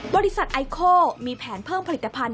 บริษัทไอโคลมีแผนเพิ่มผลิตภัณฑ